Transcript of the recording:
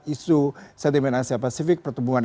isu sentimen asia pasifik pertumbuhan